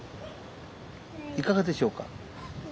いかがでしょうか。